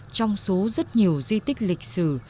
trong số rất nhiều di tích lịch sử